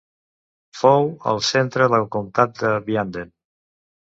Fou el centre del Comtat de Vianden.